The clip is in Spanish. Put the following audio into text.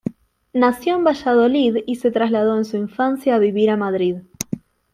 Nació en Valladolid y se trasladó en su infancia a vivir a Madrid.